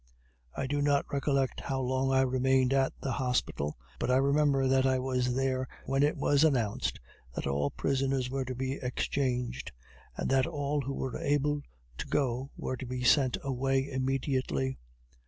I do not recollect how long I remained at the hospital, but I remember that I was there when it was announced that all prisoners were to be exchanged, and that all who were able to go were to be sent away immediately.